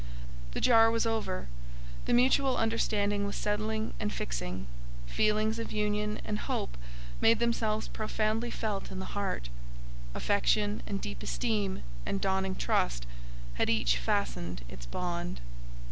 The jar was over; the mutual understanding was settling and fixing; feelings of union and hope made themselves profoundly felt in the heart; affection and deep esteem and dawning trust had each fastened its bond.